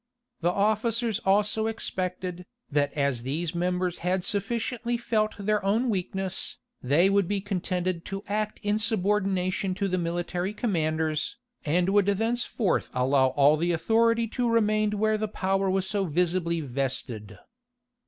The officers also expected, that as these members had sufficiently felt their own weakness, they would be contented to act in subordination to the military commanders, and would thenceforth allow all the authority to remain where the power was so visibly vested.